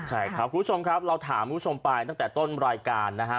ใช่ครับคุณผู้ชมครับเราถามคุณผู้ชมไปตั้งแต่ต้นรายการนะฮะ